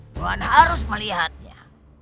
tidak harus melihatnya